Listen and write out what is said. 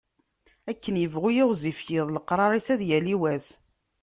Akken yebɣu yiɣzif yiḍ, leqrar-is ad yali wass.